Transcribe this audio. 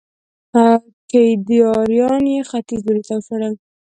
کيداريان يې ختيځ لوري ته وشړل